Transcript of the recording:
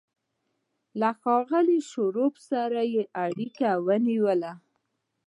له ښاغلي شواب سره یې اړیکه ونیوه